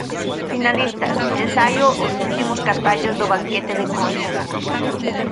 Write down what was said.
Finalistas: Ensaio Os últimos carballos do Banquete de Conxo.